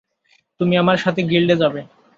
তুমি আমার সাথে গিল্ডে যাবে।